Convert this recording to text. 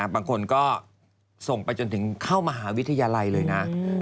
บางคนก็ส่งไปจนถึงเข้ามหาวิทยาลัยเลยนะ